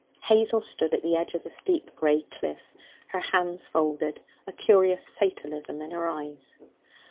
Hazel stood at the edge of the steep grey cliff, her hands folded, a curious fatalism in her eyes.